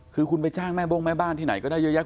คือคุณไปจ้างแม่โบ้งแม่บ้านที่ไหนก็ได้เยอะแยะ